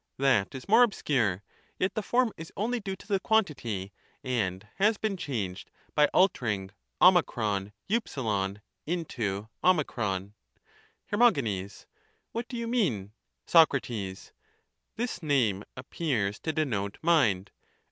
That is more obscure ; yet the form is only due to the quantity, and has been changed by altering ov into 0. Her. What do you mean? Soc. This name appears to denote mind.